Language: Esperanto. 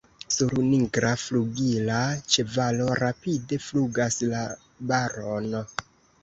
Sur nigra flugila ĉevalo rapide flugas la barono!